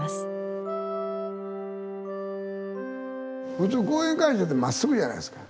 普通講演会場ってまっすぐじゃないですか。